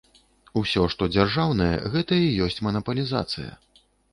Усё, што дзяржаўнае, гэта і ёсць манапалізацыя.